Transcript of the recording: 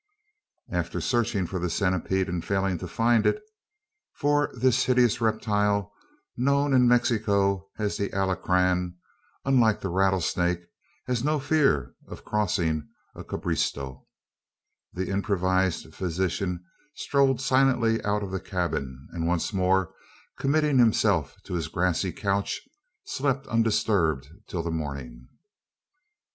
After searching for the centipede and failing to find it for this hideous reptile, known in Mexico as the alacran, unlike the rattlesnake, has no fear of crossing a cabriesto the improvised physician strode silently out of the cabin; and, once more committing himself to his grassy couch, slept undisturbed till the morning.